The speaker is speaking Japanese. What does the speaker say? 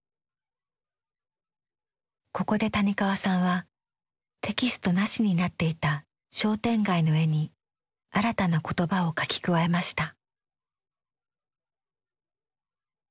ここで谷川さんはテキストなしになっていた商店街の絵に新たな言葉を書き加えました。